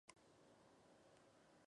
Núculas lisas y brillantes.